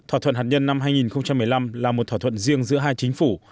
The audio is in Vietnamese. thỏa thuận hạt nhân năm hai nghìn một mươi năm là một thỏa thuận hạt nhân